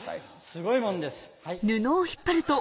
すごいもんですはい。